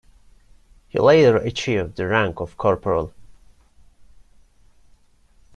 He later achieved the rank of Corporal.